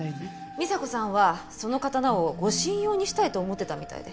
美沙子さんはその刀を護身用にしたいと思ってたみたいで。